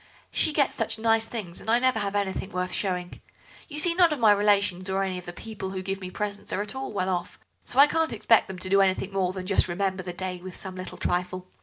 She gets such nice things, and I never have anything worth showing. You see, none of my relations or any of the people who give me presents are at all well off, so I can't expect them to do anything more than just remember the day with some little trifle.